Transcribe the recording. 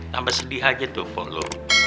tambah sedih aja tuh fok lu